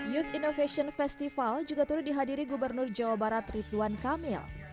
youth innovation festival juga turut dihadiri gubernur jawa barat rituan kamil